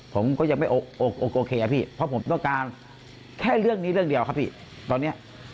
ผมก็ยังไม่โอเคอะพี่เพราะผมต้องการแค่เรื่องนี้เรื่องเดียวครับพี่ตอนเนี้ย